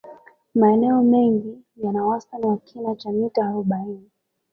maeneo mengi yana wastani wa kina cha mita arobaini